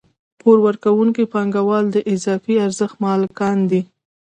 پور ورکوونکي پانګوال د اضافي ارزښت مالکان دي